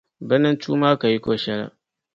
Bɛ nintua maa ka yiko shɛli.